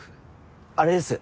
あれです。